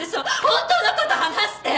本当の事話して！